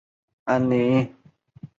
后赴上海谋职。